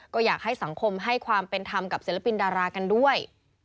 ก็อยากให้สังคมให้ความเป็นธรรมกับศิลปินดารากันด้วย